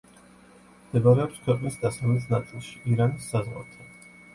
მდებარეობს ქვეყნის დასავლეთ ნაწილში ირანის საზღვართან.